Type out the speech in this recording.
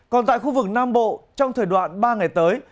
còn tại khu vực nam bộ trong thời đoạn ba ngày tới